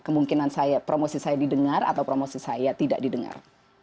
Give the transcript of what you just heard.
kemungkinan promosi saya didengar atau promosi saya tidak didengar